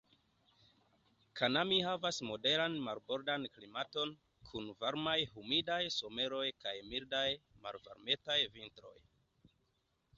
Kannami havas moderan marbordan klimaton, kun varmaj humidaj someroj kaj mildaj, malvarmetaj vintroj.